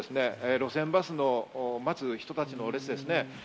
路線バスの待つ人たちの列です。